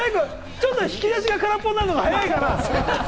ちょっと引き出しが空っぽになるのが早いな！